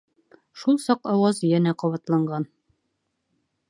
Шул саҡ ауаз йәнә ҡабатланған: